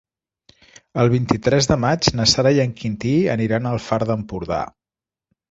El vint-i-tres de maig na Sara i en Quintí aniran al Far d'Empordà.